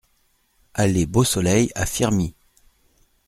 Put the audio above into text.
Allée Beau-Soleil à Firmi